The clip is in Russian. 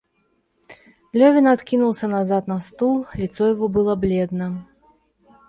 Левин откинулся назад на стул, лицо его было бледно.